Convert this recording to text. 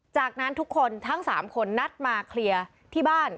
จากนั้นทุกคนทั้ง๓คนนัดมาเคลียร์ที่บ้าน